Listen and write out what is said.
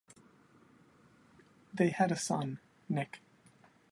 They had a son, Nick.